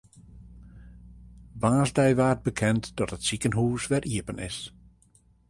Woansdei waard bekend dat it sikehûs wer iepen is.